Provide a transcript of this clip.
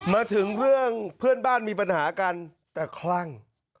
มาถึงเรื่องเพื่อนบ้านมีปัญหากันแต่คลั่ง